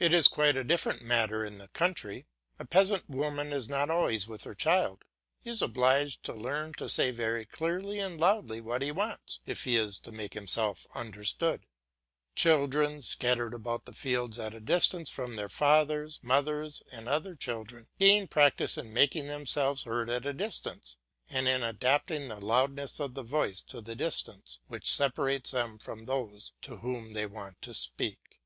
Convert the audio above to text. It is quite a different matter in the country. A peasant woman is not always with her child; he is obliged to learn to say very clearly and loudly what he wants, if he is to make himself understood. Children scattered about the fields at a distance from their fathers, mothers and other children, gain practice in making themselves heard at a distance, and in adapting the loudness of the voice to the distance which separates them from those to whom they want to speak.